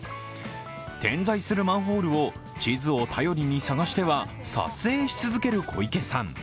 点在するマンホールを地図に頼りに探しては撮影し続ける小池さん。